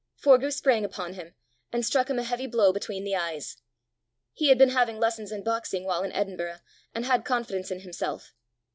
Forgue sprang upon him, and struck him a heavy blow between the eyes. He had been having lessons in boxing while in Edinburgh, and had confidence in himself.